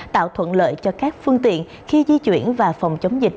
tạo thuận lợi cho các phương tiện khi di chuyển và phòng chống dịch